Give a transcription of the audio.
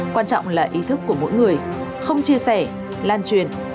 quan trọng là ý thức của mỗi người không chia sẻ lan truyền